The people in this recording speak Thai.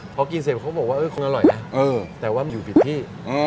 พอกินเสร็จเขาบอกว่าคงอร่อยนะแต่ว่ามันอยู่ผิดที่